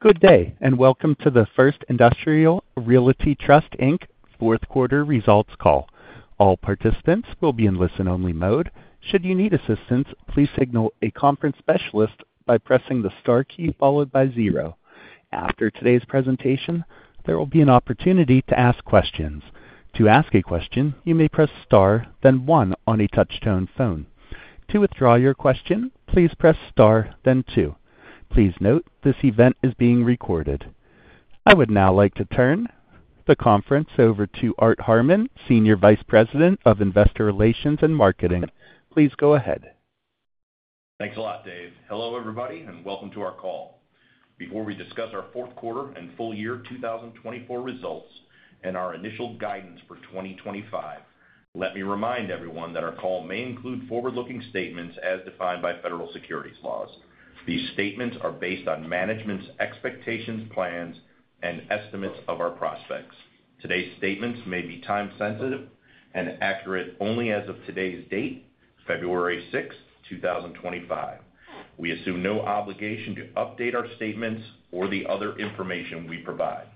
Good day, and welcome to the First Industrial Realty Trust, Inc. fourth quarter results call. All participants will be in listen-only mode. Should you need assistance, please signal a conference specialist by pressing the star key followed by zero. After today's presentation, there will be an opportunity to ask questions. To ask a question, you may press star, then one on a touch-tone phone. To withdraw your question, please press star, then two. Please note this event is being recorded. I would now like to turn the conference over to Art Harmon, Senior Vice President of Investor Relations and Marketing. Please go ahead. Thanks a lot, Dave. Hello, everybody, and welcome to our call. Before we discuss our fourth quarter and full year 2024 results and our initial guidance for 2025, let me remind everyone that our call may include forward-looking statements as defined by federal securities laws. These statements are based on management's expectations, plans, and estimates of our prospects. Today's statements may be time-sensitive and accurate only as of today's date, February 6th, 2025. We assume no obligation to update our statements or the other information we provide.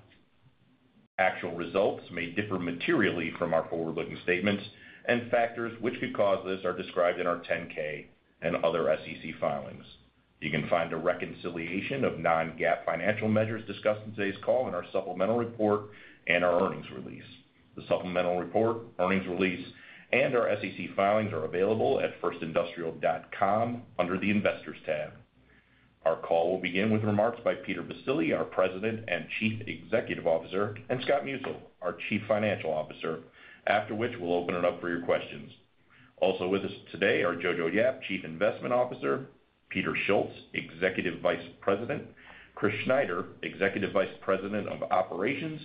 Actual results may differ materially from our forward-looking statements, and factors which could cause this are described in our 10-K and other SEC filings. You can find a reconciliation of non-GAAP financial measures discussed in today's call in our supplemental report and our earnings release. The supplemental report, earnings release, and our SEC filings are available at firstindustrial.com under the Investors tab. Our call will begin with remarks by Peter Baccile, our President and Chief Executive Officer, and Scott Musil, our Chief Financial Officer, after which we'll open it up for your questions. Also with us today are Jojo Yap, Chief Investment Officer; Peter Schultz, Executive Vice President; Chris Schneider, Executive Vice President of Operations;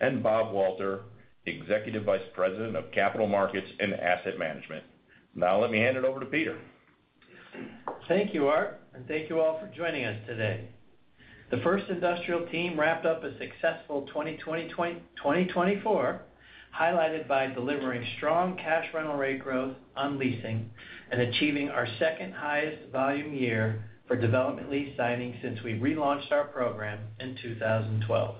and Bob Walter, Executive Vice President of Capital Markets and Asset Management. Now, let me hand it over to Peter. Thank you, Art, and thank you all for joining us today. The First Industrial team wrapped up a successful 2024 highlighted by delivering strong cash rental rate growth on leasing and achieving our second-highest volume year for development lease signing since we relaunched our program in 2012.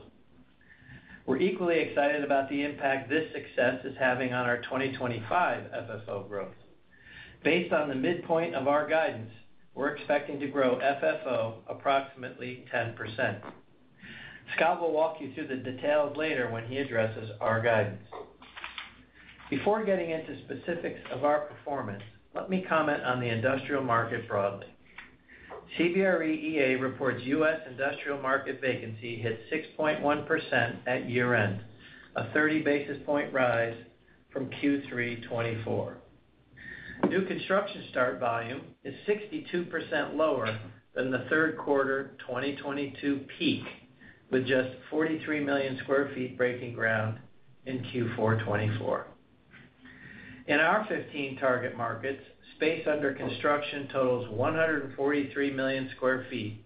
We're equally excited about the impact this success is having on our 2025 FFO growth. Based on the midpoint of our guidance, we're expecting to grow FFO approximately 10%. Scott will walk you through the details later when he addresses our guidance. Before getting into specifics of our performance, let me comment on the industrial market broadly. CBRE EA reports U.S. industrial market vacancy hit 6.1% at year-end, a 30 basis points rise from Q3 2024. New construction start volume is 62% lower than the third quarter 2022 peak, with just 43 million sq ft breaking ground in Q4 2024. In our 15 target markets, space under construction totals 143 million sq ft,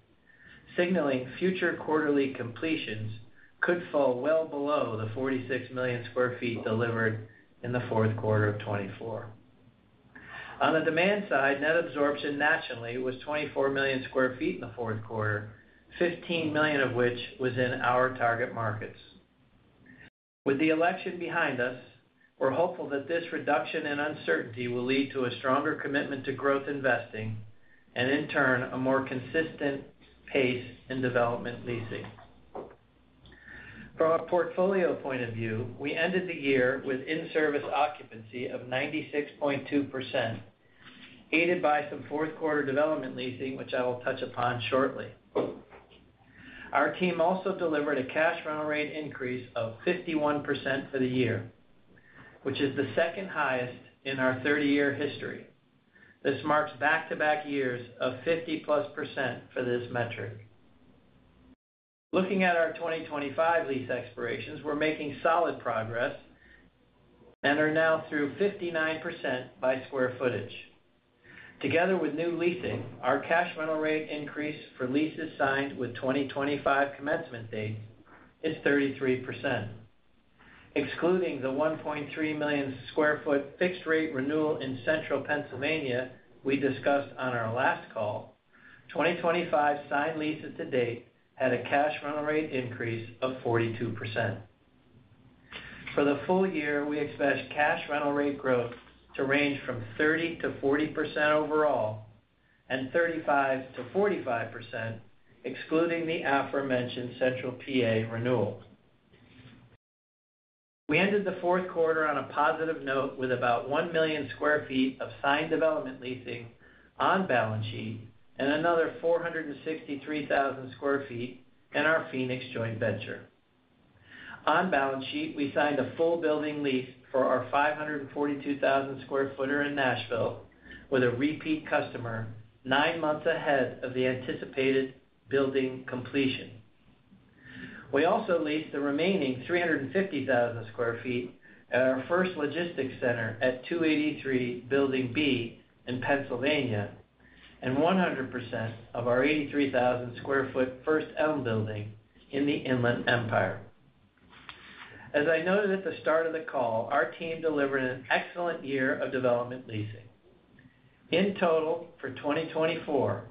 signaling future quarterly completions could fall well below the 46 million sq ft delivered in the fourth quarter of 2024. On the demand side, net absorption nationally was 24 million sq ft in the fourth quarter, 15 million of which was in our target markets. With the election behind us, we're hopeful that this reduction in uncertainty will lead to a stronger commitment to growth investing and, in turn, a more consistent pace in development leasing. From a portfolio point of view, we ended the year with in-service occupancy of 96.2%, aided by some fourth quarter development leasing, which I will touch upon shortly. Our team also delivered a cash rental rate increase of 51% for the year, which is the second highest in our 30-year history. This marks back-to-back years of 50%+ for this metric. Looking at our 2025 lease expirations, we're making solid progress and are now through 59% by square footage. Together with new leasing, our cash rental rate increase for leases signed with 2025 commencement dates is 33%. Excluding the 1.3 million sq ft fixed-rate renewal in Central Pennsylvania we discussed on our last call, 2025 signed leases to date had a cash rental rate increase of 42%. For the full year, we expect cash rental rate growth to range from 30%-40% overall and 35%-45%, excluding the aforementioned Central PA renewal. We ended the fourth quarter on a positive note with about 1 million sq ft of signed development leasing on balance sheet and another 463,000 sq ft in our Phoenix joint venture. On balance sheet, we signed a full building lease for our 542,000 sq ft in Nashville with a repeat customer nine months ahead of the anticipated building completion. We also leased the remaining 350,000 sq ft at our First Logistics Center at 283 Building B in Pennsylvania and 100% of our 83,000 sq ft First Elm building in the Inland Empire. As I noted at the start of the call, our team delivered an excellent year of development leasing. In total, for 2024,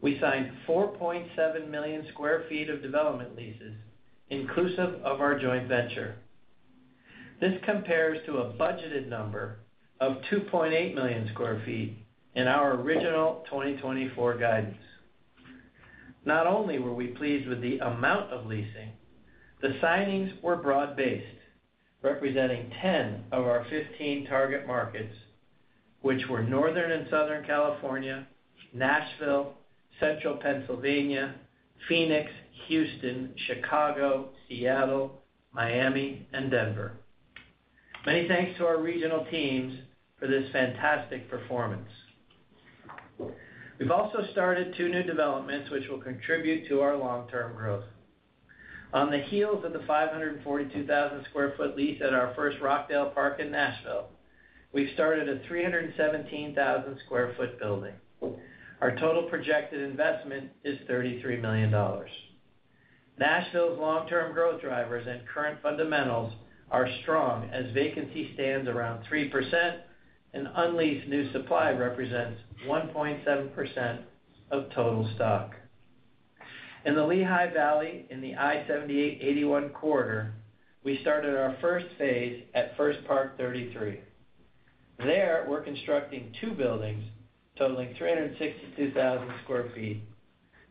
we signed 4.7 million sq ft of development leases, inclusive of our joint venture. This compares to a budgeted number of 2.8 million sq ft in our original 2024 guidance. Not only were we pleased with the amount of leasing, the signings were broad-based, representing 10 of our 15 target markets, which were Northern and Southern California, Nashville, Central Pennsylvania, Phoenix, Houston, Chicago, Seattle, Miami, and Denver. Many thanks to our regional teams for this fantastic performance. We've also started two new developments which will contribute to our long-term growth. On the heels of the 542,000 sq ft lease at our First Rockdale Park in Nashville, we've started a 317,000 sq ft building. Our total projected investment is $33 million. Nashville's long-term growth drivers and current fundamentals are strong as vacancy stands around 3%, and unleased new supply represents 1.7% of total stock. In the Lehigh Valley in the I-78/81 Corridor, we started our first phase at First Park 33. There, we're constructing two buildings totaling 362,000 sq ft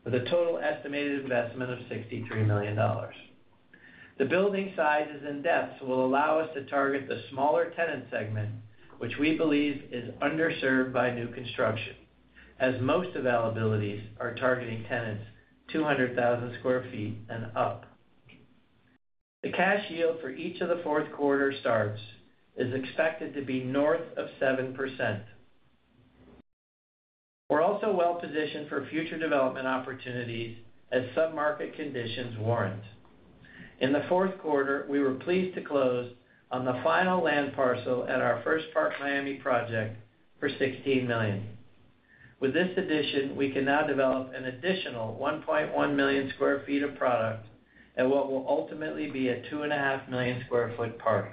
with a total estimated investment of $63 million. The building sizes and depths will allow us to target the smaller tenant segment, which we believe is underserved by new construction, as most availabilities are targeting tenants 200,000 sq ft and up. The cash yield for each of the fourth quarter starts is expected to be north of 7%. We're also well-positioned for future development opportunities as submarket conditions warrant. In the fourth quarter, we were pleased to close on the final land parcel at our First Park Miami project for $16 million. With this addition, we can now develop an additional 1.1 million sq ft of product at what will ultimately be a 2.5 million sq ft park.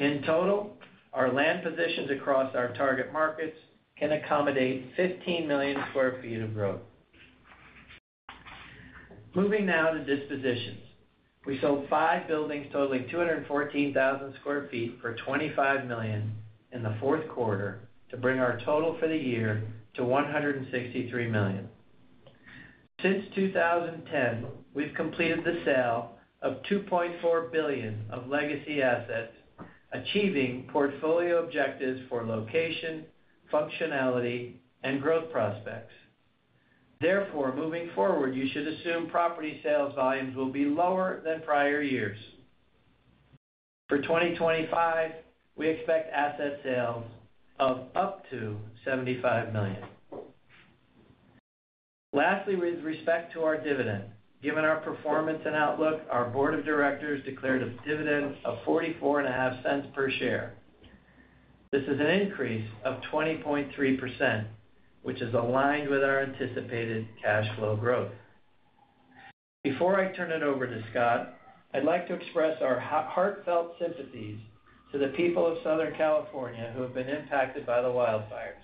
In total, our land positions across our target markets can accommodate 15 million sq ft of growth. Moving now to dispositions. We sold five buildings, totaling 214,000 sq ft for $25 million in the fourth quarter to bring our total for the year to $163 million. Since 2010, we've completed the sale of $2.4 billion of legacy assets, achieving portfolio objectives for location, functionality, and growth prospects. Therefore, moving forward, you should assume property sales volumes will be lower than prior years. For 2025, we expect asset sales of up to $75 million. Lastly, with respect to our dividend, given our performance and outlook, our Board of Directors declared a dividend of $0.445 per share. This is an increase of 20.3%, which is aligned with our anticipated cash flow growth. Before I turn it over to Scott, I'd like to express our heartfelt sympathies to the people of Southern California who have been impacted by the wildfires.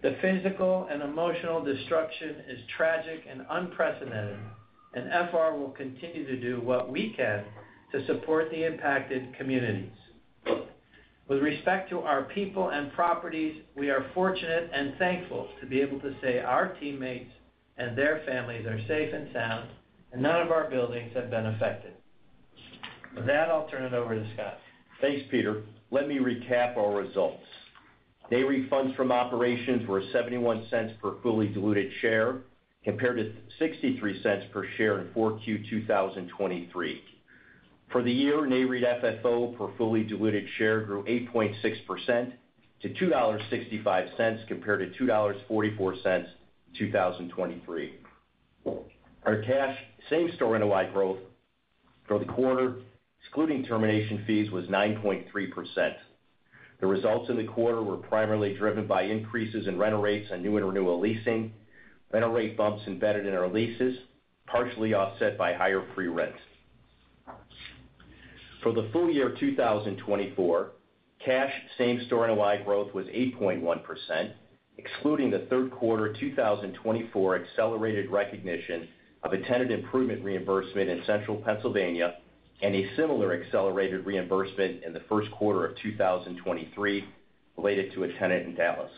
The physical and emotional destruction is tragic and unprecedented, and FR will continue to do what we can to support the impacted communities. With respect to our people and properties, we are fortunate and thankful to be able to say our teammates and their families are safe and sound, and none of our buildings have been affected. With that, I'll turn it over to Scott. Thanks, Peter. Let me recap our results. Nareit Funds From Operations were $0.71 per fully diluted share compared to $0.63 per share in 4Q 2023. For the year, Nareit FFO per fully diluted share grew 8.6% to $2.65 compared to $2.44 in 2023. Our cash Same-Store NOI growth for the quarter, excluding termination fees, was 9.3%. The results in the quarter were primarily driven by increases in rental rates on new and renewal leasing, rental rate bumps embedded in our leases, partially offset by higher free rent. For the full year 2024, cash Same-Store NOI growth was 8.1%, excluding the third quarter 2024 accelerated recognition of a tenant improvement reimbursement in Central Pennsylvania and a similar accelerated reimbursement in the first quarter of 2023 related to a tenant in Dallas.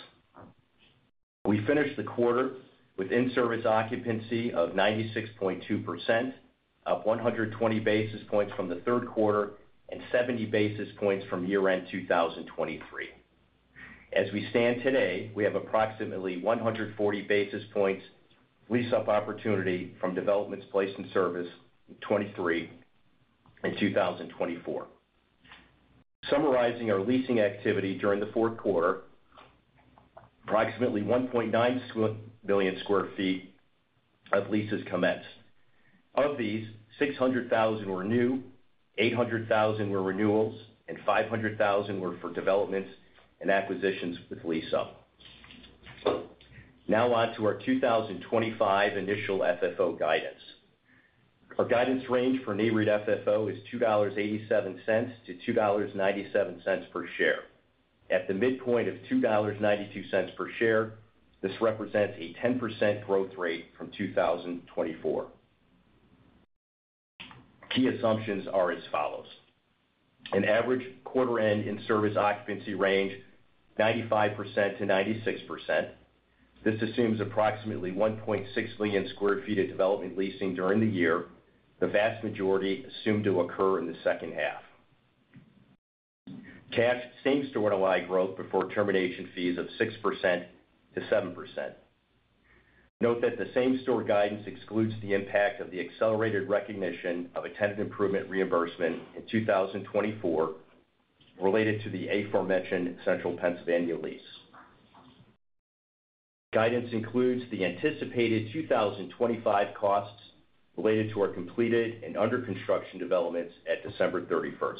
We finished the quarter with in-service occupancy of 96.2%, up 120 basis points from the third quarter and 70 basis points from year-end 2023. As we stand today, we have approximately 140 basis points lease-up opportunity from developments placed in service in 2023 and 2024. Summarizing our leasing activity during the fourth quarter, approximately 1.9 million sq ft of leases commenced. Of these, 600,000 were new, 800,000 were renewals, and 500,000 were for developments and acquisitions with lease-up. Now on to our 2025 initial FFO guidance. Our guidance range for Nareit FFO is $2.87-$2.97 per share. At the midpoint of $2.92 per share, this represents a 10% growth rate from 2024. Key assumptions are as follows. An average quarter-end in-service occupancy range, 95%-96%. This assumes approximately 1.6 million sq ft of development leasing during the year, the vast majority assumed to occur in the second half. Cash Same-Store NOI growth before termination fees of 6%-7%. Note that the Same-Store NOI guidance excludes the impact of the accelerated recognition of a tenant improvement reimbursement in 2024 related to the aforementioned Central Pennsylvania lease. Guidance includes the anticipated 2025 costs related to our completed and under-construction developments at December 31st.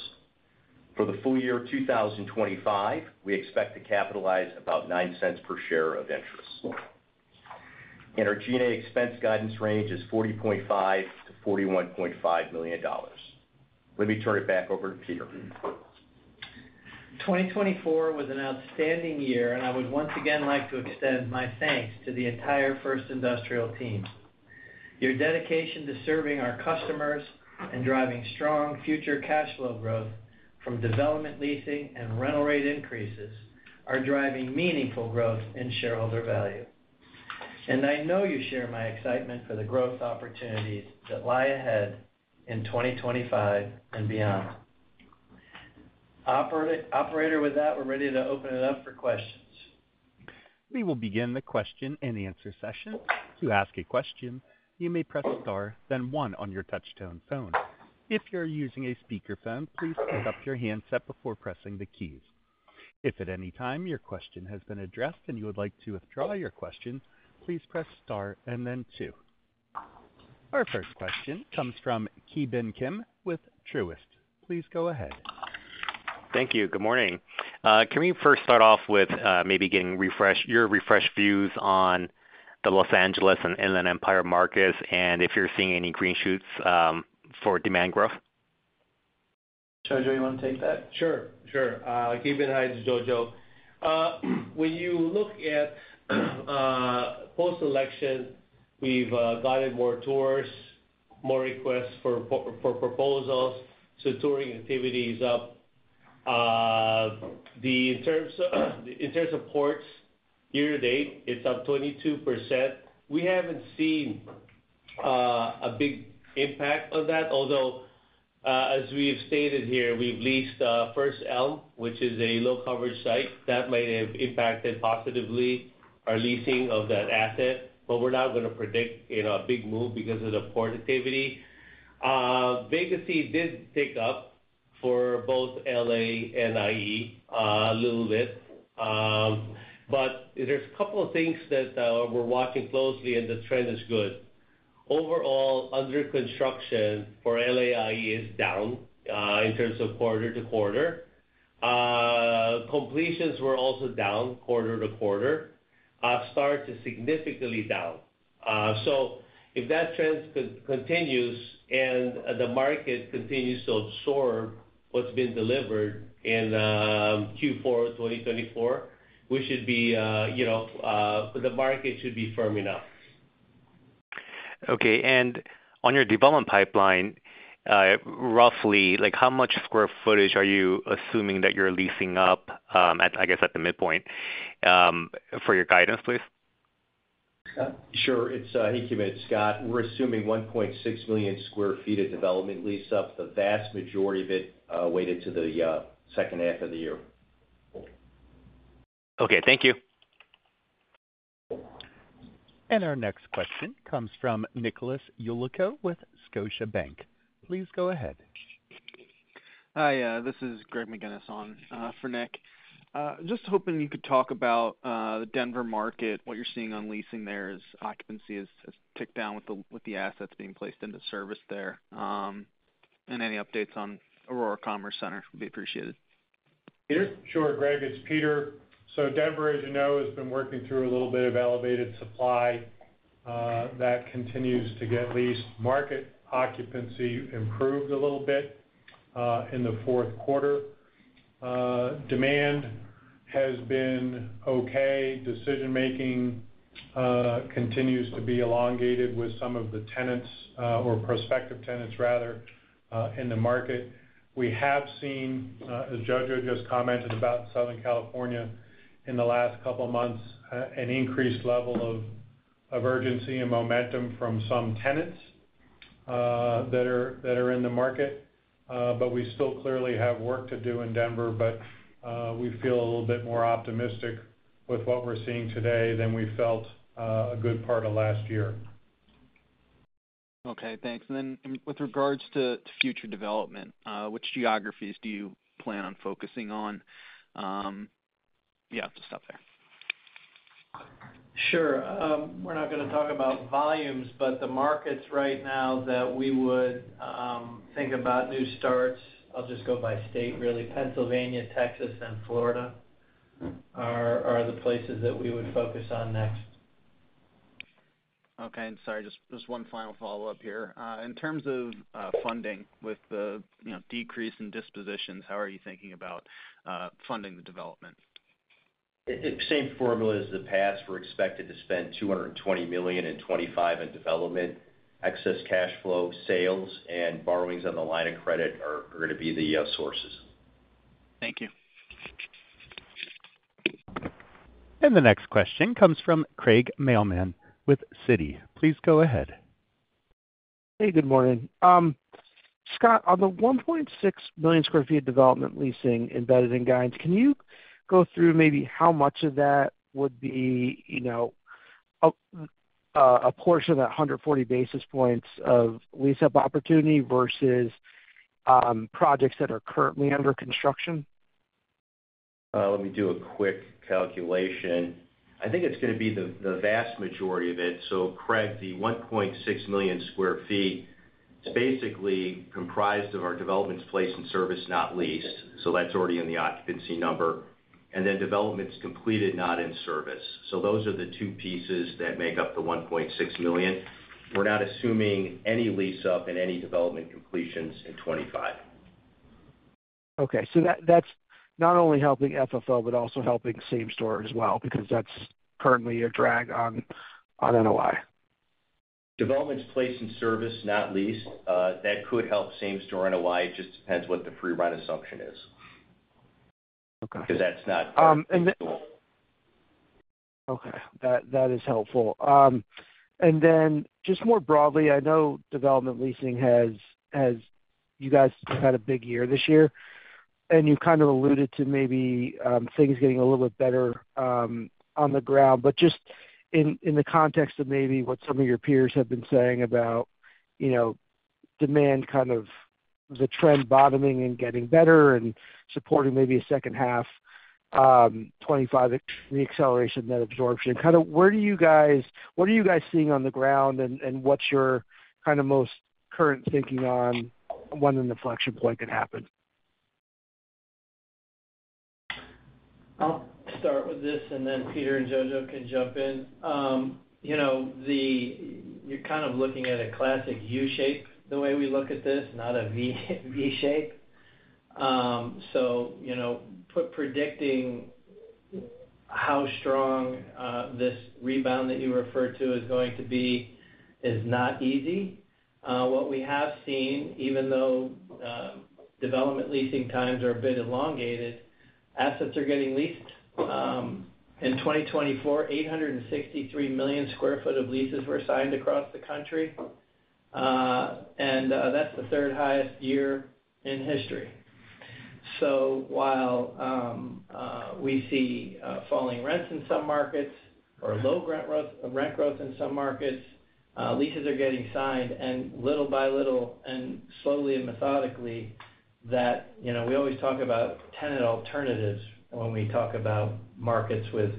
For the full year 2025, we expect to capitalize about $0.09 per share of interest, and our G&A expense guidance range is $40.5 million-$41.5 million. Let me turn it back over to Peter. 2024 was an outstanding year, and I would once again like to extend my thanks to the entire First Industrial team. Your dedication to serving our customers and driving strong future cash flow growth from development leasing and rental rate increases are driving meaningful growth in shareholder value. And I know you share my excitement for the growth opportunities that lie ahead in 2025 and beyond. Operator, with that, we're ready to open it up for questions. We will begin the question and answer session. To ask a question, you may press star, then one on your touch-tone phone. If you're using a speakerphone, please pick up your handset before pressing the keys. If at any time your question has been addressed and you would like to withdraw your question, please press star and then two. Our first question comes from Ki Bin Kim with Truist. Please go ahead. Thank you. Good morning. Can we first start off with maybe getting your refreshed views on the Los Angeles and Inland Empire markets and if you're seeing any green shoots for demand growth? Jojo, you want to take that? Sure. Sure. Ki Bin Kim, Jojo. When you look at post-election, we've gotten more tours, more requests for proposals, so touring activity is up. In terms of ports, year-to-date, it's up 22%. We haven't seen a big impact on that, although, as we've stated here, we've leased First Elm, which is a low-coverage site. That might have impacted positively our leasing of that asset, but we're not going to predict a big move because of the port activity. Vacancy did pick up for both LA and IE a little bit, but there's a couple of things that we're watching closely, and the trend is good. Overall, under construction for LA and IE is down in terms of quarter-to-quarter. Completions were also down quarter-to-quarter. Starts are significantly down. So if that trend continues and the market continues to absorb what's been delivered in Q4 2024, the market should be firm enough. Okay. And on your development pipeline, roughly, how much square footage are you assuming that you're leasing up, I guess, at the midpoint? For your guidance, please. Sure. It's Scott Musil. We're assuming 1.6 million sq ft of development lease-up. The vast majority of it weighted to the second half of the year. Okay. Thank you. And our next question comes from Nicholas Yulico with Scotiabank. Please go ahead. Hi. This is Greg McGinniss on for Nick. Just hoping you could talk about the Denver market, what you're seeing on leasing there as occupancy has ticked down with the assets being placed into service there, and any updates on Aurora Commerce Center would be appreciated. Peter. Sure, Greg. It's Peter. So Denver, as you know, has been working through a little bit of elevated supply that continues to get leased. Market occupancy improved a little bit in the fourth quarter. Demand has been okay. Decision-making continues to be elongated with some of the tenants or prospective tenants, rather, in the market. We have seen, as Jojo just commented about, Southern California in the last couple of months, an increased level of urgency and momentum from some tenants that are in the market. But we still clearly have work to do in Denver, but we feel a little bit more optimistic with what we're seeing today than we felt a good part of last year. Okay. Thanks. And then with regards to future development, which geographies do you plan on focusing on? Yeah, just stop there. Sure. We're not going to talk about volumes, but the markets right now that we would think about new starts, I'll just go by state, really, Pennsylvania, Texas, and Florida are the places that we would focus on next. Okay. And sorry, just one final follow-up here. In terms of funding with the decrease in dispositions, how are you thinking about funding the development? Same formula as the past. We're expected to spend $220 million and $25 million in development. Excess cash flow, sales, and borrowings on the line of credit are going to be the sources. Thank you. The next question comes from Craig Mailman with Citi. Please go ahead. Hey, good morning. Scott, on the 1.6 million sq ft development leasing embedded in guidance, can you go through maybe how much of that would be a portion of that 140 basis points of lease-up opportunity versus projects that are currently under construction? Let me do a quick calculation. I think it's going to be the vast majority of it. So Craig, the 1.6 million sq ft is basically comprised of our developments placed in service, not leased. So that's already in the occupancy number. And then developments completed, not in service. So those are the two pieces that make up the 1.6 million. We're not assuming any lease-up and any development completions in 2025. Okay. So that's not only helping FFO, but also helping Same-Store as well because that's currently a drag on NOI. Developments placed in service, not leased, that could help Same-Store NOI. It just depends what the free rent assumption is. Okay. Because that's not. Okay. That is helpful. And then just more broadly, I know development leasing has. You guys had a big year this year, and you kind of alluded to maybe things getting a little bit better on the ground. But just in the context of maybe what some of your peers have been saying about demand, kind of the trend bottoming and getting better and supporting maybe a second half, 2025, the acceleration that absorption. Kind of where do you guys. What are you guys seeing on the ground, and what's your kind of most current thinking on when an inflection point could happen? I'll start with this, and then Peter and Jojo can jump in. You're kind of looking at a classic U-shape the way we look at this, not a V-shape. So predicting how strong this rebound that you referred to is going to be is not easy. What we have seen, even though development leasing times are a bit elongated, assets are getting leased. In 2024, 863 million sq ft of leases were signed across the country, and that's the third highest year in history. So while we see falling rents in some markets or low rent growth in some markets, leases are getting signed, and little by little and slowly and methodically that we always talk about tenant alternatives when we talk about markets with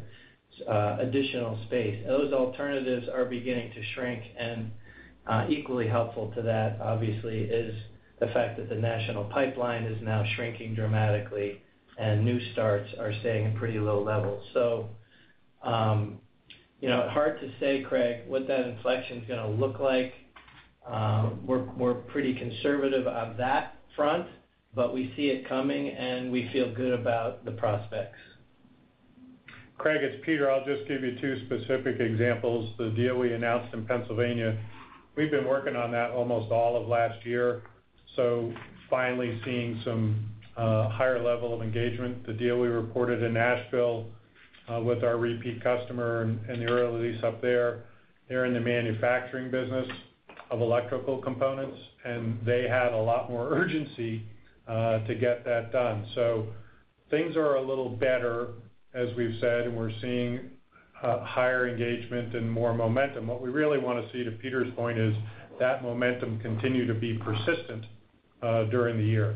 additional space. Those alternatives are beginning to shrink, and equally helpful to that, obviously, is the fact that the national pipeline is now shrinking dramatically, and new starts are staying at pretty low levels. So hard to say, Craig, what that inflection is going to look like. We're pretty conservative on that front, but we see it coming, and we feel good about the prospects. Craig, it's Peter. I'll just give you two specific examples. The deal we announced in Pennsylvania, we've been working on that almost all of last year, so finally seeing some higher level of engagement. The deal we reported in Nashville with our repeat customer and the early lease-up there, they're in the manufacturing business of electrical components, and they had a lot more urgency to get that done, so things are a little better, as we've said, and we're seeing higher engagement and more momentum. What we really want to see, to Peter's point, is that momentum continue to be persistent during the year.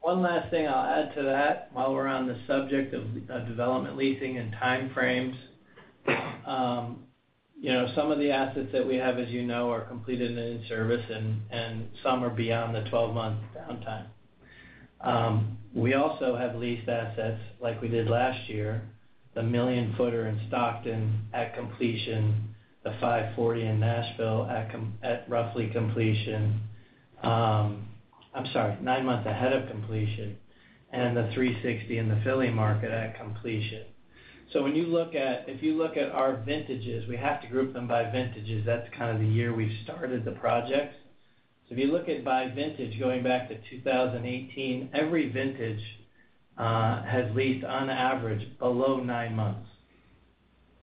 One last thing I'll add to that while we're on the subject of development leasing and time frames. Some of the assets that we have, as you know, are completed and in service, and some are beyond the 12-month downtime. We also have leased assets like we did last year, the million-footer in Stockton at completion, the 540 in Nashville at roughly completion. I'm sorry, nine months ahead of completion, and the 360 in the Philly market at completion. So if you look at our vintages, we have to group them by vintages. That's kind of the year we've started the projects. So if you look at by vintage, going back to 2018, every vintage has leased, on average, below nine months.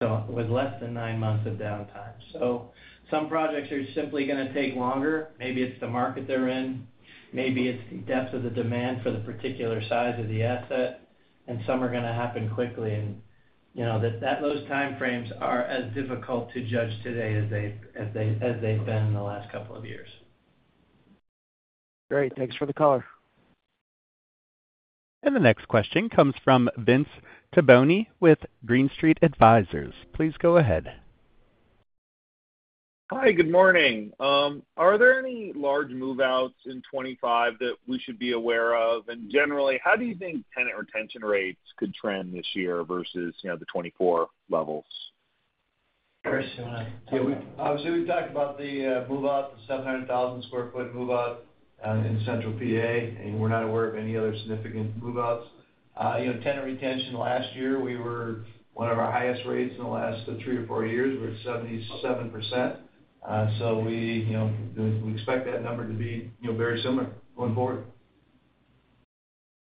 So with less than nine months of downtime. So some projects are simply going to take longer. Maybe it's the market they're in. Maybe it's the depth of the demand for the particular size of the asset. And some are going to happen quickly. And those time frames are as difficult to judge today as they've been in the last couple of years. Great. Thanks for the caller. And the next question comes from Vince Tibone with Green Street Advisors. Please go ahead. Hi. Good morning. Are there any large move-outs in 2025 that we should be aware of, and generally, how do you think tenant retention rates could trend this year versus the 2024 levels? Chris, do you want to? Yeah. Obviously, we've talked about the move-out, the 700,000 sq ft move-out in Central PA, and we're not aware of any other significant move-outs. Tenant retention last year, we were one of our highest rates in the last three or four years. We're at 77%. So we expect that number to be very similar going forward.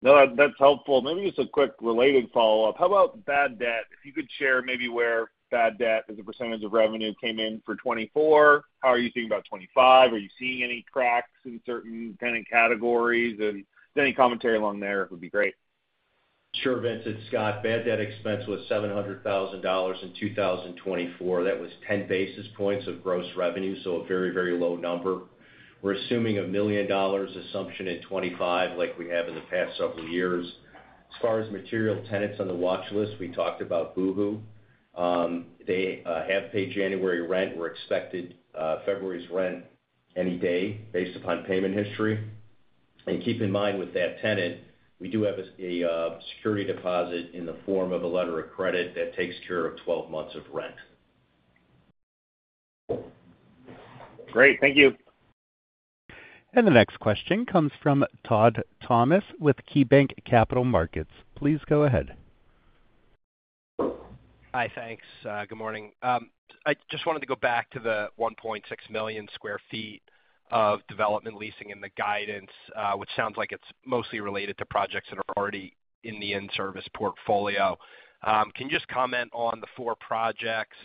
No, that's helpful. Maybe just a quick related follow-up. How about bad debt? If you could share maybe where bad debt as a percentage of revenue came in for 2024, how are you seeing about 2025? Are you seeing any cracks in certain tenant categories? And if there's any commentary along there, it would be great. Sure, Vince. It's Scott. Bad debt expense was $700,000 in 2024. That was 10 basis points of gross revenue, so a very, very low number. We're assuming a $1 million assumption in 2025 like we have in the past several years. As far as material tenants on the watch list, we talked about Boohoo. They have paid January rent. We're expecting February's rent any day based upon payment history. And keep in mind, with that tenant, we do have a security deposit in the form of a letter of credit that takes care of 12 months of rent. Great. Thank you. The next question comes from Todd Thomas with KeyBanc Capital Markets. Please go ahead. Hi. Thanks. Good morning. I just wanted to go back to the 1.6 million sq ft of development leasing in the guidance, which sounds like it's mostly related to projects that are already in the in-service portfolio. Can you just comment on the four projects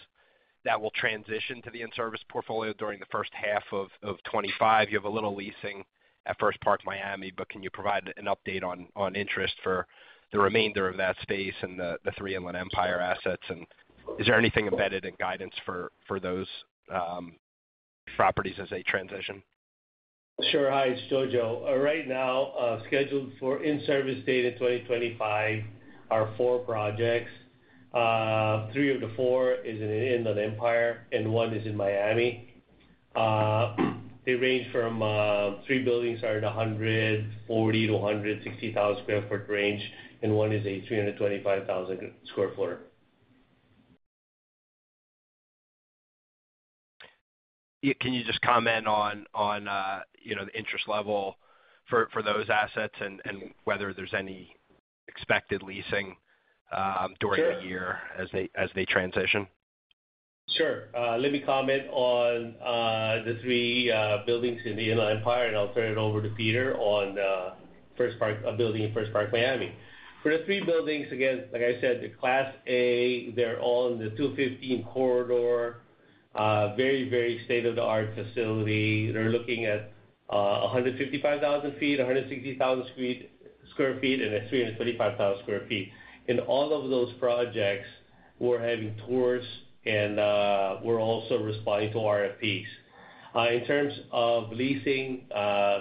that will transition to the in-service portfolio during the first half of 2025? You have a little leasing at First Park Miami, but can you provide an update on interest for the remainder of that space and the three Inland Empire assets? And is there anything embedded in guidance for those properties as they transition? Sure. Hi. It's Jojo. Right now, scheduled for in-service date in 2025 are four projects. Three of the four are in Inland Empire, and one is in Miami. They range from three buildings are in the 140,000sq-160,000 sq ft range, and one is a 325,000 sq ft. Can you just comment on the interest level for those assets and whether there's any expected leasing during the year as they transition? Sure. Let me comment on the three buildings in the Inland Empire, and I'll turn it over to Peter on a building in First Park Miami. For the three buildings, again, like I said, they're Class A. They're all in the 215 Corridor. Very, very state-of-the-art facility. They're looking at 155,000 sq ft, 160,000 sq ft, and 325,000 sq ft. In all of those projects, we're having tours, and we're also responding to RFPs. In terms of leasing,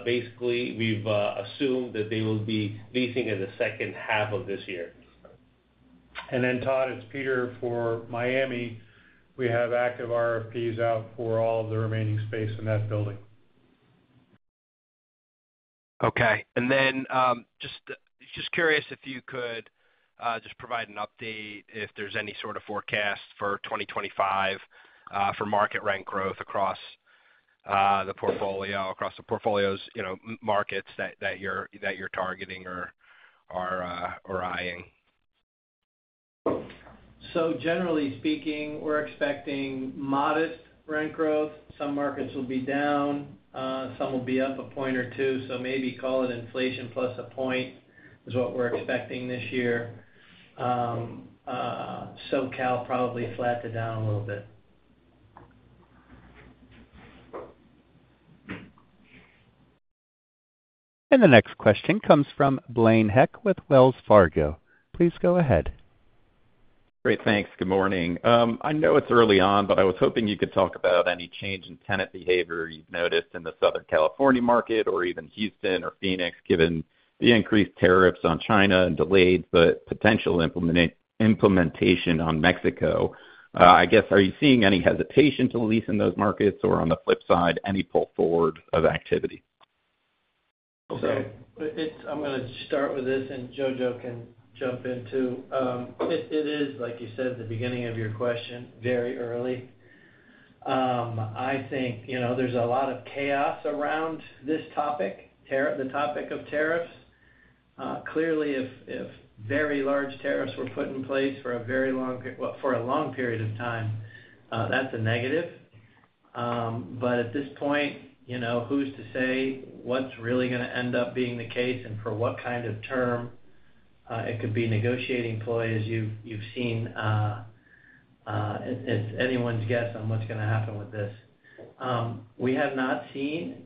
basically, we've assumed that they will be leasing in the second half of this year. Then, Todd, it's Peter for Miami. We have active RFPs out for all of the remaining space in that building. Okay. And then just curious if you could just provide an update if there's any sort of forecast for 2025 for market rent growth across the portfolio, across the portfolio's markets that you're targeting or eyeing? So generally speaking, we're expecting modest rent growth. Some markets will be down. Some will be up a point or two. So maybe call it inflation plus a point is what we're expecting this year. SoCal probably flattened down a little bit. The next question comes from Blaine Heck with Wells Fargo. Please go ahead. Great. Thanks. Good morning. I know it's early on, but I was hoping you could talk about any change in tenant behavior you've noticed in the Southern California market or even Houston or Phoenix, given the increased tariffs on China and delays, but potential implementation on Mexico. I guess, are you seeing any hesitation to lease in those markets or, on the flip side, any pull forward of activity? Okay. I'm going to start with this, and Jojo can jump in too. It is, like you said, the beginning of your question, very early. I think there's a lot of chaos around this topic, the topic of tariffs. Clearly, if very large tariffs were put in place for a very long period of time, that's a negative, but at this point, who's to say what's really going to end up being the case and for what kind of term it could be negotiating play as you've seen. It's anyone's guess on what's going to happen with this. We have not seen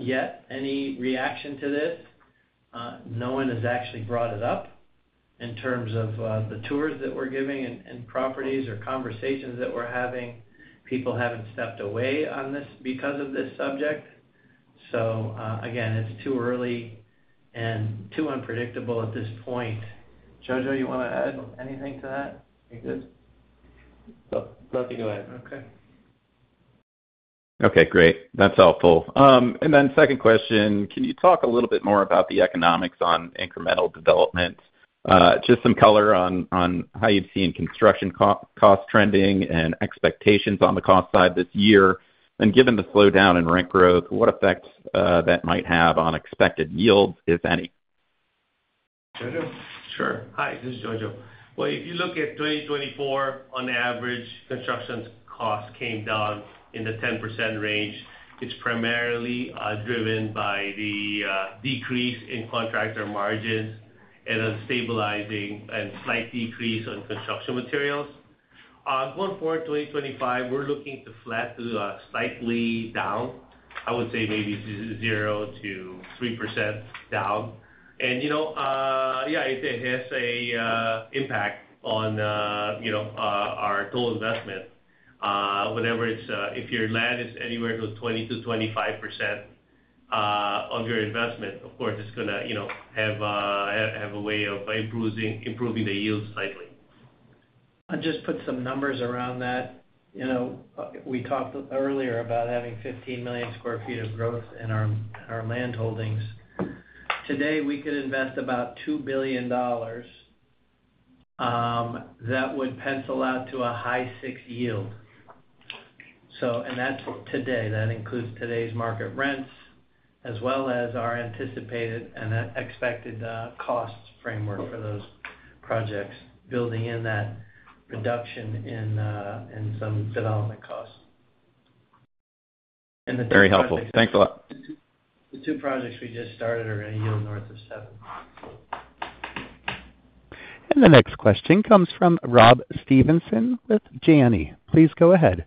yet any reaction to this. No one has actually brought it up in terms of the tours that we're giving and properties or conversations that we're having. People haven't stepped away on this because of this subject, so again, it's too early and too unpredictable at this point. Jojo, you want to add anything to that? You're good. Nothing to add. Okay. Okay. Great. That's helpful. And then second question, can you talk a little bit more about the economics on incremental development? Just some color on how you've seen construction cost trending and expectations on the cost side this year. And given the slowdown in rent growth, what effect that might have on expected yields, if any? Jojo? Sure. Hi. This is Jojo. If you look at 2024, on average, construction costs came down in the 10% range. It's primarily driven by the decrease in contractor margins and a stabilizing and slight decrease in construction materials. Going forward, 2025, we're looking to flatten slightly down. I would say maybe 0%-3% down. And yeah, it has an impact on our total investment. If your land is anywhere to 20%-25% of your investment, of course, it's going to have a way of improving the yield slightly. I'll just put some numbers around that. We talked earlier about having 15 million sq ft of growth in our land holdings. Today, we could invest about $2 billion. That would pencil out to a high six yield. And that's today. That includes today's market rents as well as our anticipated and expected cost framework for those projects, building in that reduction in some development costs. Very helpful. Thanks a lot. The two projects we just started are going to yield north of seven. The next question comes from Rob Stevenson with Janney. Please go ahead.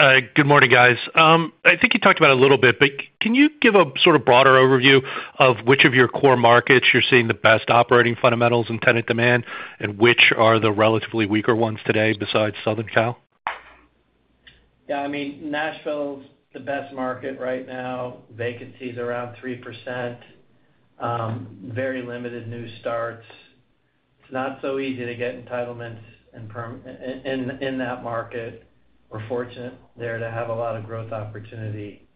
Good morning, guys. I think you talked about it a little bit, but can you give a sort of broader overview of which of your core markets you're seeing the best operating fundamentals and tenant demand, and which are the relatively weaker ones today besides Southern Cal? Yeah. I mean, Nashville's the best market right now. Vacancies around 3%. Very limited new starts. It's not so easy to get entitlements in that market. We're fortunate there to have a lot of growth opportunity.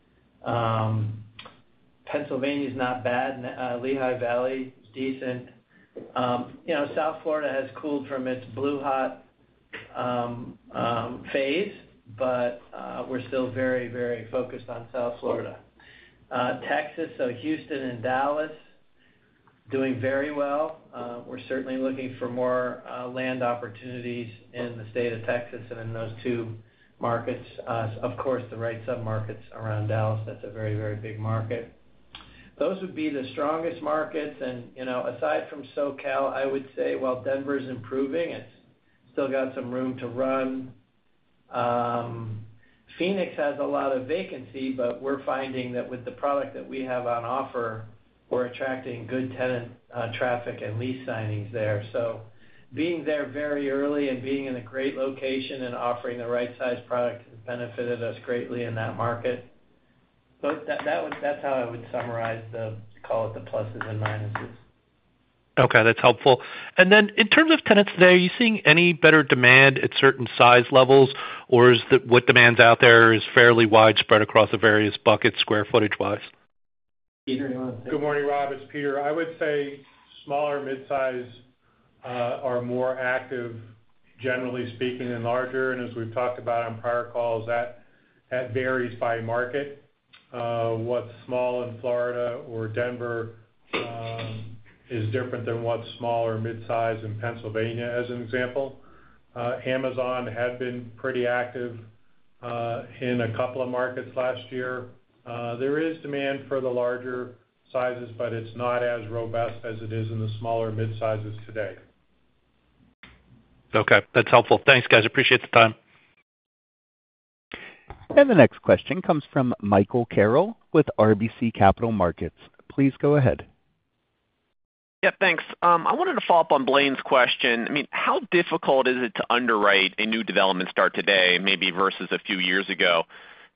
Pennsylvania's not bad. Lehigh Valley is decent. South Florida has cooled from its blue-hot phase, but we're still very, very focused on South Florida. Texas, so Houston and Dallas, doing very well. We're certainly looking for more land opportunities in the state of Texas and in those two markets. Of course, the right submarkets around Dallas, that's a very, very big market. Those would be the strongest markets. And aside from SoCal, I would say, while Denver's improving, it's still got some room to run. Phoenix has a lot of vacancy, but we're finding that with the product that we have on offer, we're attracting good tenant traffic and lease signings there. Being there very early and being in a great location and offering the right-sized product has benefited us greatly in that market. That's how I would summarize the, call it, the pluses and minuses. Okay. That's helpful. And then in terms of tenants there, are you seeing any better demand at certain size levels, or is what demand's out there fairly widespread across the various buckets square footage-wise? Peter, you want to say? Good morning, Rob. It's Peter. I would say smaller, mid-size are more active, generally speaking, than larger. And as we've talked about on prior calls, that varies by market. What's small in Florida or Denver is different than what's small or mid-size in Pennsylvania, as an example. Amazon had been pretty active in a couple of markets last year. There is demand for the larger sizes, but it's not as robust as it is in the smaller mid-sizes today. Okay. That's helpful. Thanks, guys. Appreciate the time. The next question comes from Michael Carroll with RBC Capital Markets. Please go ahead. Yeah. Thanks. I wanted to follow up on Blaine's question. I mean, how difficult is it to underwrite a new development start today, maybe versus a few years ago?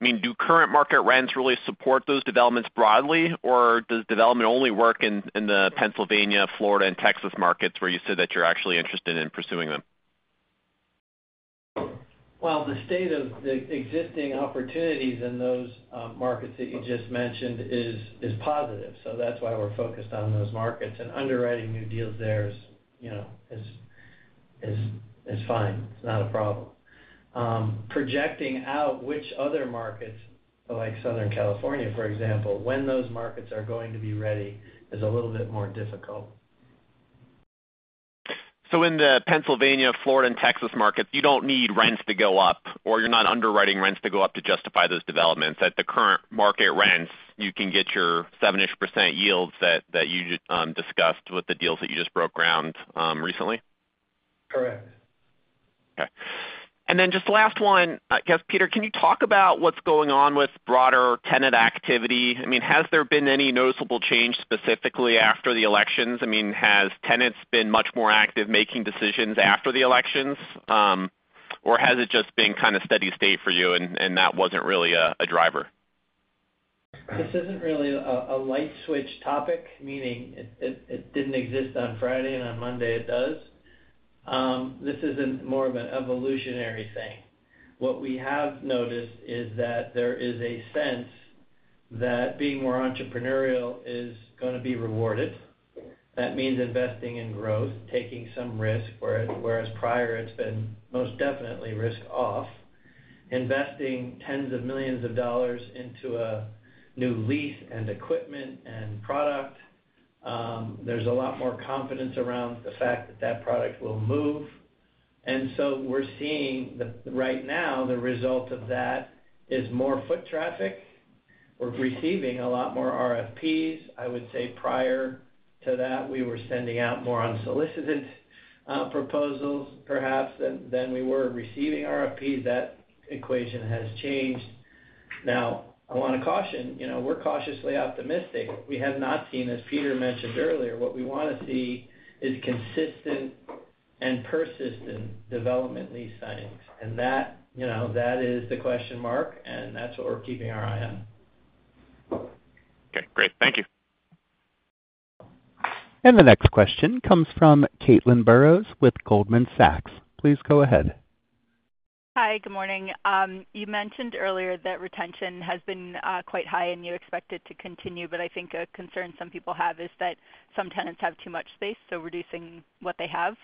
I mean, do current market rents really support those developments broadly, or does development only work in the Pennsylvania, Florida, and Texas markets where you said that you're actually interested in pursuing them? The state of the existing opportunities in those markets that you just mentioned is positive. That's why we're focused on those markets. Underwriting new deals there is fine. It's not a problem. Projecting out which other markets, like Southern California, for example, when those markets are going to be ready is a little bit more difficult. So in the Pennsylvania, Florida, and Texas markets, you don't need rents to go up, or you're not underwriting rents to go up to justify those developments. At the current market rents, you can get your 7-ish% yields that you discussed with the deals that you just broke ground recently? Correct. Okay. And then just the last one, I guess, Peter, can you talk about what's going on with broader tenant activity? I mean, has there been any noticeable change specifically after the elections? I mean, has tenants been much more active making decisions after the elections, or has it just been kind of steady state for you and that wasn't really a driver? This isn't really a light switch topic, meaning it didn't exist on Friday, and on Monday, it does. This isn't more of an evolutionary thing. What we have noticed is that there is a sense that being more entrepreneurial is going to be rewarded. That means investing in growth, taking some risk, whereas prior it's been most definitely risk-off. Investing tens of millions of dollars into a new lease and equipment and product, there's a lot more confidence around the fact that that product will move. And so we're seeing right now, the result of that is more foot traffic. We're receiving a lot more RFPs. I would say prior to that, we were sending out more unsolicited proposals perhaps than we were receiving RFPs. That equation has changed. Now, I want to caution, we're cautiously optimistic. We have not seen, as Peter mentioned earlier, what we want to see is consistent and persistent development lease signings. And that is the question mark, and that's what we're keeping our eye on. Okay. Great. Thank you. The next question comes from Caitlin Burrows with Goldman Sachs. Please go ahead. Hi. Good morning. You mentioned earlier that retention has been quite high, and you expect it to continue. But I think a concern some people have is that some tenants have too much space, so reducing what they have.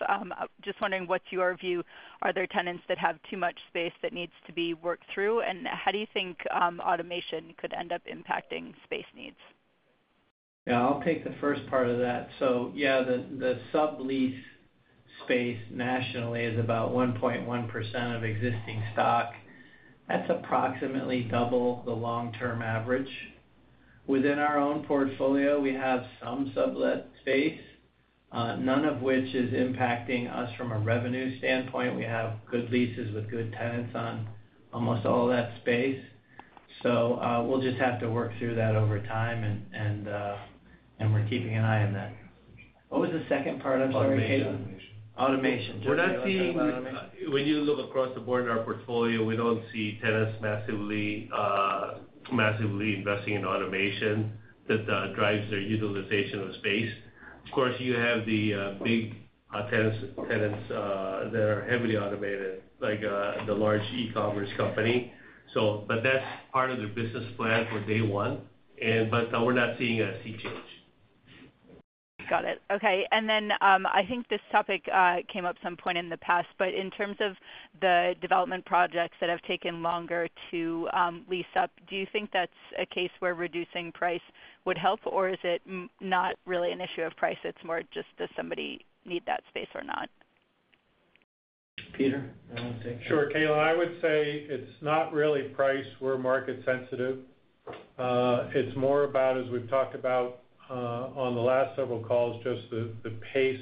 Just wondering what's your view? Are there tenants that have too much space that needs to be worked through? And how do you think automation could end up impacting space needs? Yeah. I'll take the first part of that. So yeah, the sublease space nationally is about 1.1% of existing stock. That's approximately double the long-term average. Within our own portfolio, we have some sublet space, none of which is impacting us from a revenue standpoint. We have good leases with good tenants on almost all that space. So we'll just have to work through that over time, and we're keeping an eye on that. What was the second part of your view? Automation. Automation. We're not seeing, when you look across the board in our portfolio, we don't see tenants massively investing in automation that drives their utilization of space. Of course, you have the big tenants that are heavily automated, like the large e-commerce company. But that's part of their business plan for day one. But we're not seeing a sea change. Got it. Okay. And then I think this topic came up at some point in the past, but in terms of the development projects that have taken longer to lease up, do you think that's a case where reducing price would help, or is it not really an issue of price? It's more just does somebody need that space or not? Peter? I want to take that. Sure. Caitlin, I would say it's not really price. We're market-sensitive. It's more about, as we've talked about on the last several calls, just the pace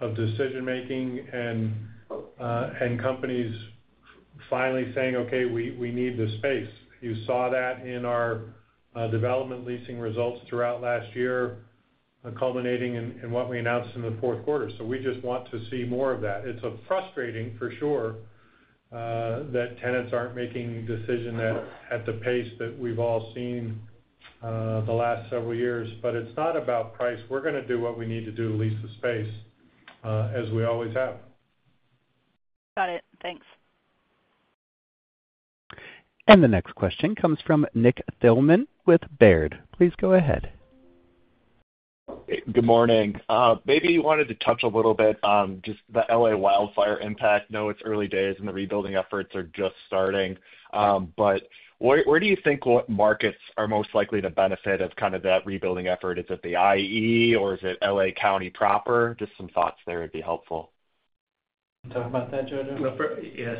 of decision-making and companies finally saying, "Okay, we need the space." You saw that in our development leasing results throughout last year, culminating in what we announced in the fourth quarter. So we just want to see more of that. It's frustrating, for sure, that tenants aren't making decisions at the pace that we've all seen the last several years. But it's not about price. We're going to do what we need to do to lease the space, as we always have. Got it. Thanks. The next question comes from Nick Thillman with Baird. Please go ahead. Good morning. Maybe you wanted to touch a little bit on just the LA wildfire impact. I know it's early days, and the rebuilding efforts are just starting. But where do you think what markets are most likely to benefit from kind of that rebuilding effort? Is it the IE, or is it LA County proper? Just some thoughts there would be helpful. Can you talk about that, Jojo? Yes.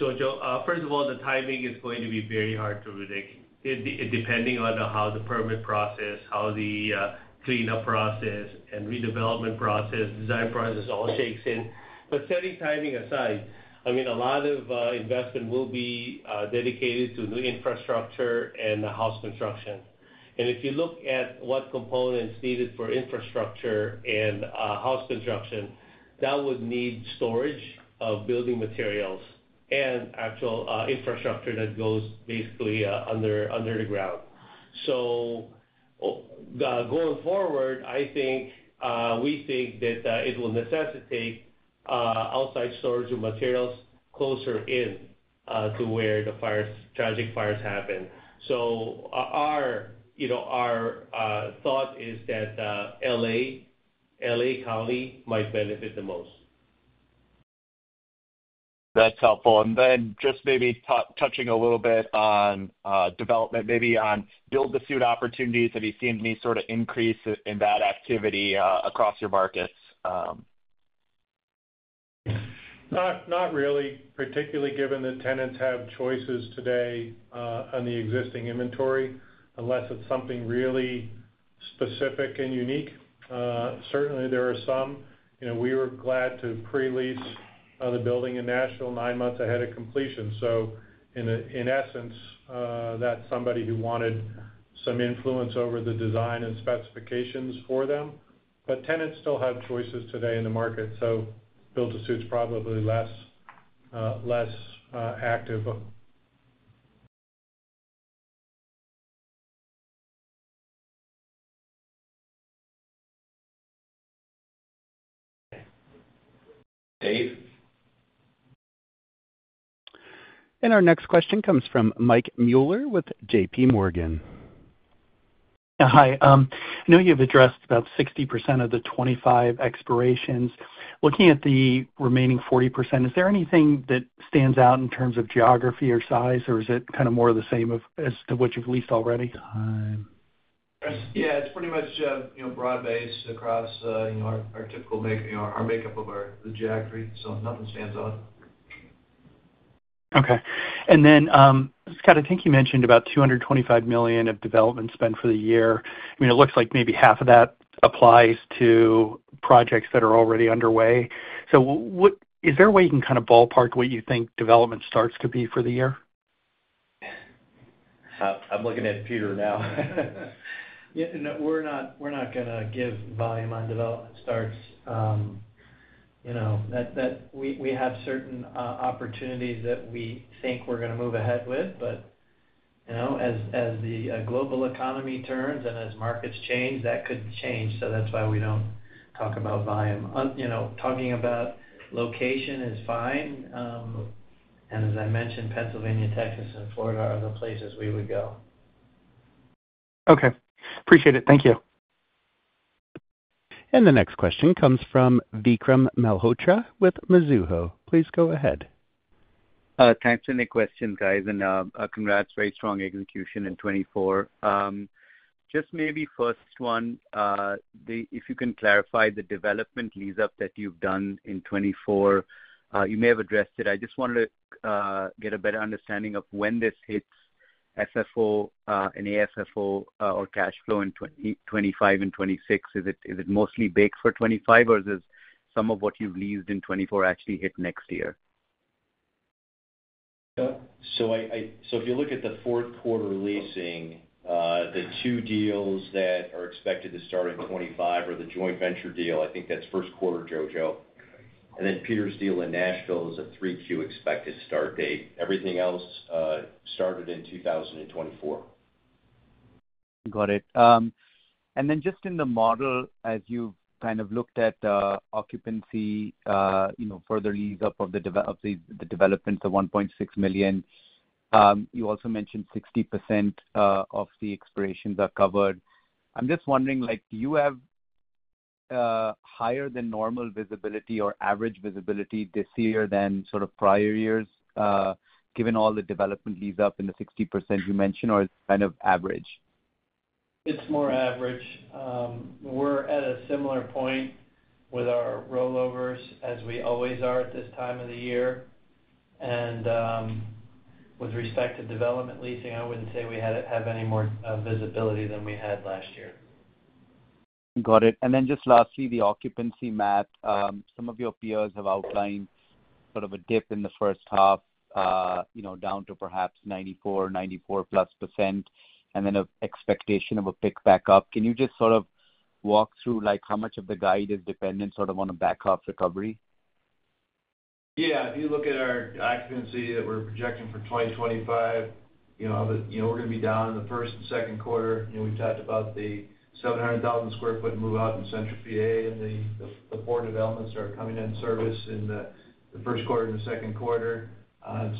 Jojo, first of all, the timing is going to be very hard to predict, depending on how the permit process, how the cleanup process, and redevelopment process, design process all shakes in. But setting timing aside, I mean, a lot of investment will be dedicated to new infrastructure and house construction. And if you look at what components needed for infrastructure and house construction, that would need storage of building materials and actual infrastructure that goes basically under the ground. So going forward, we think that it will necessitate outside storage of materials closer in to where the tragic fires happen. So our thought is that LA County might benefit the most. That's helpful. And then just maybe touching a little bit on development, maybe on build-to-suit opportunities, have you seen any sort of increase in that activity across your markets? Not really, particularly given that tenants have choices today on the existing inventory, unless it's something really specific and unique. Certainly, there are some. We were glad to pre-lease the building in Nashville nine months ahead of completion. So in essence, that's somebody who wanted some influence over the design and specifications for them. But tenants still have choices today in the market, so build-to-suit's probably less active. Dave? Our next question comes from Mike Mueller with JPMorgan. Hi. I know you've addressed about 60% of the 25 expirations. Looking at the remaining 40%, is there anything that stands out in terms of geography or size, or is it kind of more the same as to what you've leased already? Yeah. It's pretty much broad-based across our typical makeup of the geography, so nothing stands out. Okay. And then, Scott, I think you mentioned about $225 million of development spent for the year. I mean, it looks like maybe half of that applies to projects that are already underway. So is there a way you can kind of ballpark what you think development starts could be for the year? I'm looking at Peter now. We're not going to give volume on development starts. We have certain opportunities that we think we're going to move ahead with. But as the global economy turns and as markets change, that could change. So that's why we don't talk about volume. Talking about location is fine. And as I mentioned, Pennsylvania, Texas, and Florida are the places we would go. Okay. Appreciate it. Thank you. The next question comes from Vikram Malhotra with Mizuho. Please go ahead. Thanks for the question, guys, and congrats. Very strong execution in 2024. Just maybe first one, if you can clarify the development lease-up that you've done in 2024, you may have addressed it. I just wanted to get a better understanding of when this hits FFO and AFFO or cash flow in 2025 and 2026. Is it mostly baked for 2025, or does some of what you've leased in 2024 actually hit next year? If you look at the fourth quarter leasing, the two deals that are expected to start in 2025 are the joint venture deal. I think that's first quarter, Jojo. And then Peter's deal in Nashville is a 3Q expected start date. Everything else started in 2024. Got it. And then just in the model, as you've kind of looked at occupancy, further lease-up of the developments, the 1.6 million, you also mentioned 60% of the expirations are covered. I'm just wondering, do you have higher than normal visibility or average visibility this year than sort of prior years, given all the development lease-up and the 60% you mentioned, or is it kind of average? It's more average. We're at a similar point with our rollovers, as we always are at this time of the year. And with respect to development leasing, I wouldn't say we have any more visibility than we had last year. Got it. And then just lastly, the occupancy map, some of your peers have outlined sort of a dip in the first half down to perhaps 94, 94%+, and then an expectation of a pick back up. Can you just sort of walk through how much of the guide is dependent sort of on a back up recovery? Yeah. If you look at our occupancy that we're projecting for 2025, we're going to be down in the first and second quarter. We've talked about the 700,000 sq ft move-out in Central PA, and the port developments are coming in service in the first quarter and the second quarter.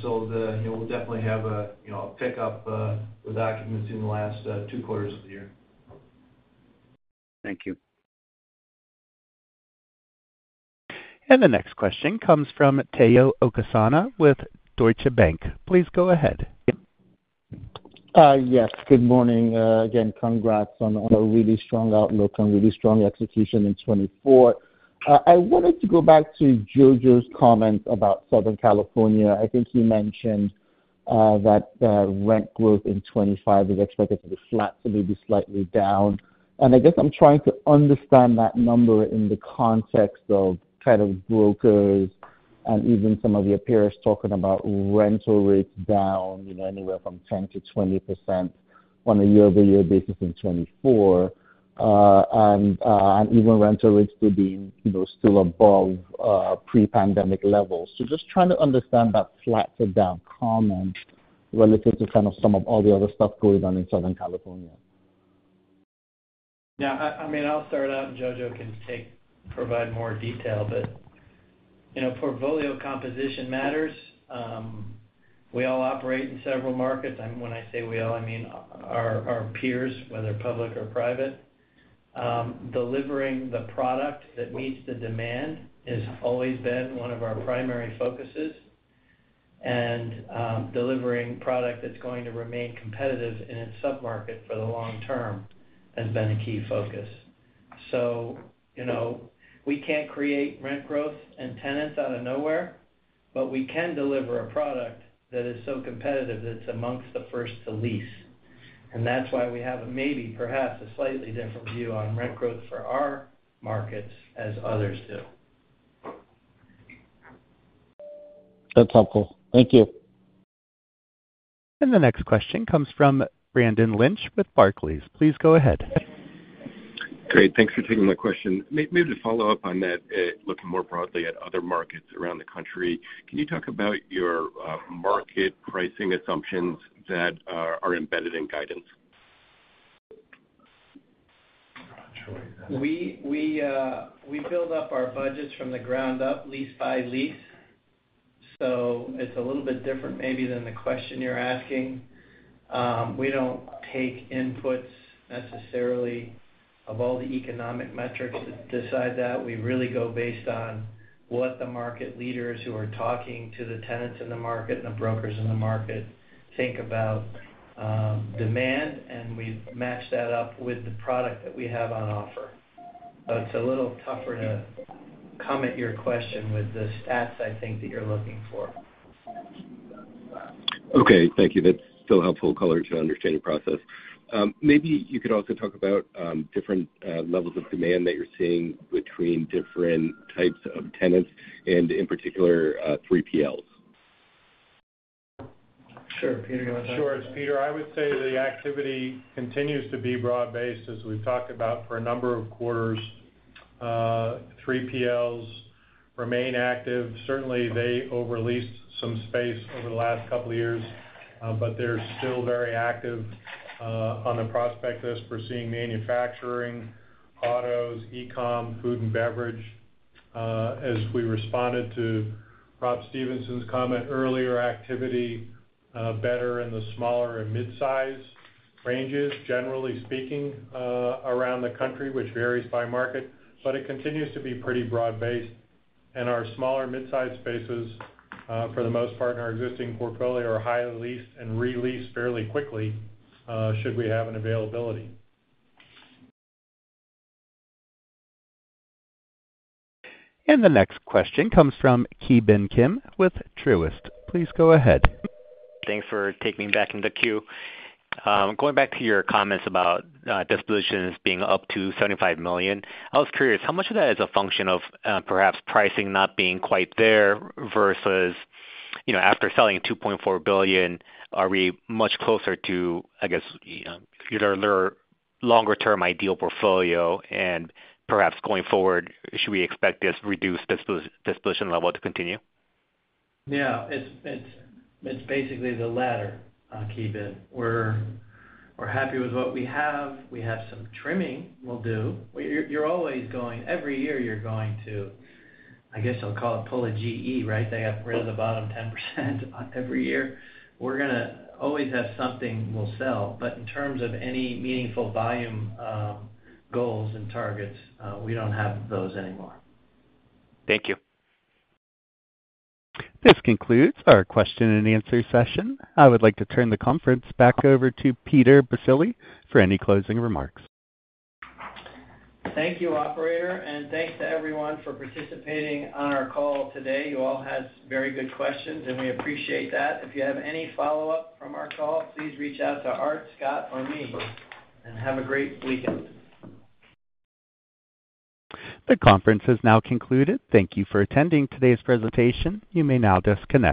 So we'll definitely have a pickup with occupancy in the last two quarters of the year. Thank you. The next question comes from Tayo Okusanya with Deutsche Bank. Please go ahead. Yes. Good morning. Again, congrats on a really strong outlook and really strong execution in 2024. I wanted to go back to Jojo's comment about Southern California. I think he mentioned that rent growth in 2025 is expected to be flat, so maybe slightly down. And I guess I'm trying to understand that number in the context of kind of brokers and even some of your peers talking about rental rates down anywhere from 10%-20% on a year-over-year basis in 2024, and even rental rates still being above pre-pandemic levels. So just trying to understand that flat or down comment relative to kind of some of all the other stuff going on in Southern California. Yeah. I mean, I'll start out, and Jojo can provide more detail, but portfolio composition matters. We all operate in several markets. When I say we all, I mean our peers, whether public or private. Delivering the product that meets the demand has always been one of our primary focuses. And delivering product that's going to remain competitive in its submarket for the long term has been a key focus. So we can't create rent growth and tenants out of nowhere, but we can deliver a product that is so competitive that it's amongst the first to lease. And that's why we have a maybe, perhaps, a slightly different view on rent growth for our markets as others do. That's helpful. Thank you. The next question comes from Brendan Lynch with Barclays. Please go ahead. Great. Thanks for taking my question. Maybe to follow up on that, looking more broadly at other markets around the country, can you talk about your market pricing assumptions that are embedded in guidance? We build up our budgets from the ground up, lease by lease. So it's a little bit different maybe than the question you're asking. We don't take inputs necessarily of all the economic metrics to decide that. We really go based on what the market leaders who are talking to the tenants in the market and the brokers in the market think about demand, and we match that up with the product that we have on offer. So it's a little tougher to comment on your question with the stats, I think, that you're looking for. Okay. Thank you. That's still helpful color to understand your process. Maybe you could also talk about different levels of demand that you're seeing between different types of tenants and, in particular, 3PLs. Sure. Peter, you want to talk? Sure. It's Peter. I would say the activity continues to be broad-based, as we've talked about, for a number of quarters. 3PLs remain active. Certainly, they overleased some space over the last couple of years, but they're still very active in the pursuit of leasing to manufacturing, autos, e-com, food and beverage. As we responded to Rob Stevenson's comment earlier, activity better in the smaller and mid-size ranges, generally speaking, around the country, which varies by market. It continues to be pretty broad-based. Our smaller mid-size spaces, for the most part, in our existing portfolio, are highly leased and re-leased fairly quickly should we have an availability. The next question comes from Ki Bin Kim with Truist. Please go ahead. Thanks for taking me back in the queue. Going back to your comments about dispositions being up to $75 million, I was curious, how much of that is a function of perhaps pricing not being quite there versus after selling $2.4 billion, are we much closer to, I guess, your longer-term ideal portfolio? And perhaps going forward, should we expect this reduced disposition level to continue? Yeah. It's basically the latter, Ki Bin. We're happy with what we have. We have some trimming we'll do. You're always going every year, you're going to, I guess I'll call it pull a GE, right? They got rid of the bottom 10% every year. We're going to always have something we'll sell. But in terms of any meaningful volume goals and targets, we don't have those anymore. Thank you. This concludes our question and answer session. I would like to turn the conference back over to Peter Baccile for any closing remarks. Thank you, operator, and thanks to everyone for participating on our call today. You all had very good questions, and we appreciate that. If you have any follow-up from our call, please reach out to Art, Scott, or me, and have a great weekend. The conference has now concluded. Thank you for attending today's presentation. You may now disconnect.